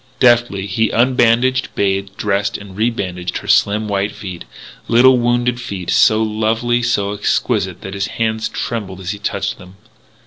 Deftly he unbandaged, bathed, dressed, and rebandaged her slim white feet little wounded feet so lovely, so exquisite that his hand trembled as he touched them.